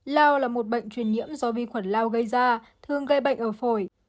lao là một bệnh truyền nhiễm do vi khuẩn lao gây ra thường gây bệnh ở phổi